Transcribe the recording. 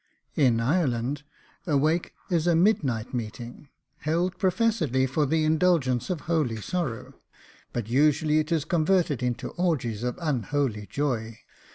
In Ireland a wake is a midnight meeting, held professedly for the indulgence of holy sorrow, but usually it is converted into orgies of unholy joy.